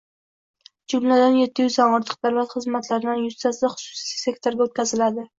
Jumladan, yetti yuzdan ortiq davlat xizmatlaridan yuztasi xususiy sektorga o‘tkaziladi.